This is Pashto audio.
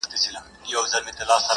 بس ده ه د غزل الف و با مي کړه ـ